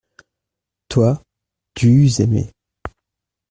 Toi, tu eus aimé.